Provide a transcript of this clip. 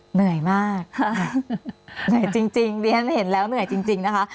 เหนื่อยมากเหนื่อยจริงเรียนเห็นแล้วเหนื่อยจริงนะคะ